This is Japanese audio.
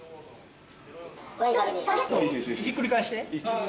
ひっくり返して。